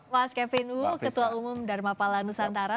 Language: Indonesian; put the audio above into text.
mas kevin u ketua umum dharma pala nusantara